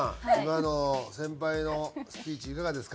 今の先輩のスピーチいかがですか？